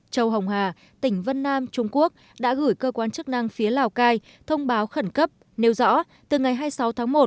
châu hồng hà tỉnh vân nam trung quốc đã gửi cơ quan chức năng phía lào cai thông báo khẩn cấp nêu rõ từ ngày hai mươi sáu tháng một